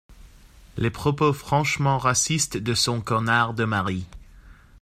les propos franchement racistes de son connard de mari.